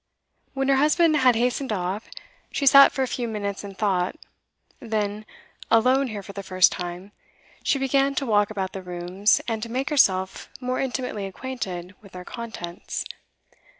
When her husband had hastened off, she sat for a few minutes in thought; then, alone here for the first time, she began to walk about the rooms, and to make herself more intimately acquainted with their contents.